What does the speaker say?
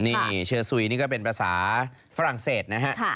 นี่เชอร์สุยนี่ก็เป็นภาษาฝรั่งเศสนะฮะ